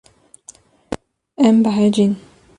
Em behecîn.